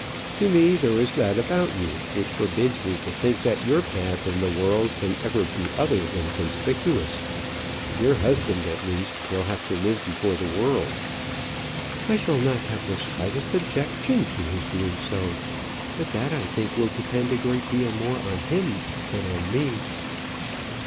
To me there is that about you which forbids me to think that your path in the world can ever be other than conspicuous. Your husband, at least, will have to live before the world." "I shall not have the slightest objection to his doing so; but that, I think, will depend a great deal more on him than on me."